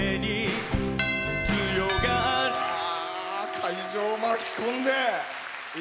会場を巻き込んで。